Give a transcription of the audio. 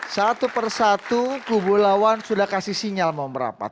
satu persatu kubu lawan sudah kasih sinyal mau merapat